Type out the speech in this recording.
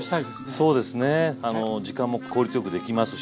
そうですね時間も効率よくできますし。